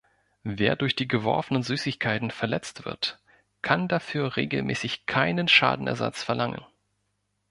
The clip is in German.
Wer durch die geworfenen Süßigkeiten verletzt wird, kann dafür regelmäßig keinen Schadenersatz verlangen.